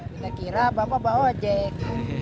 kita kira bapak bawa ojek